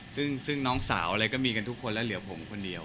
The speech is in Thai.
ซึ่งน้องสาวอะไรก็มีกันทุกคนแล้วเหลือผมคนเดียว